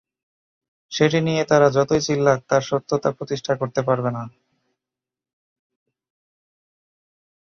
সেটি নিয়ে তারা যতই চিল্লাক তার সত্যতা প্রতিষ্ঠা করতে পারবে না।